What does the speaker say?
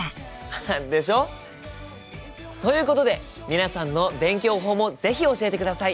ハハッでしょ？ということで皆さんの勉強法も是非教えてください。